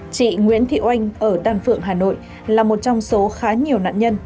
chị nguyễn thị oanh ở đan phượng hà nội là một trong số khá nhiều nạn nhân